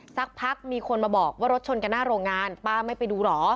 สักพักมีคนมาบอกว่ารถชนกันหน้าโรงงานป้าไม่ไปดูเหรอ